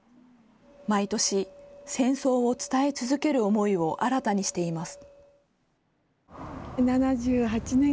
毎年、戦争を伝え続ける思いを新たにしています。